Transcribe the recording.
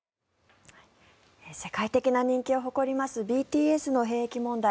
世界的な人気を誇りますＢＴＳの兵役問題